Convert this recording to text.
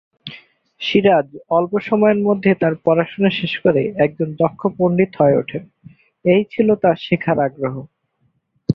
সিরাজ অল্প সময়ের মধ্যে তার পড়াশোনা শেষ করে একজন দক্ষ পণ্ডিত হয়ে ওঠেন, এই ছিল তার শেখার আগ্রহ।